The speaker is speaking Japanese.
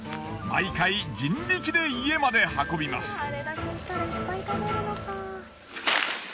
毎回人力で家まで運びます。